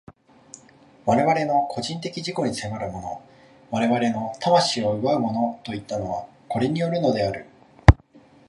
我々の個人的自己に迫るもの、我々の魂を奪うものといったのは、これによるのである。